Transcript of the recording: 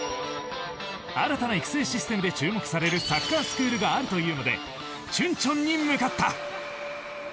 新たな育成システムで注目されるサッカースクールがあるというのでチュンチョンに向かった。